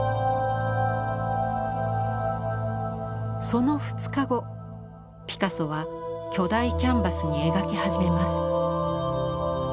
その２日後ピカソは巨大キャンバスに描き始めます。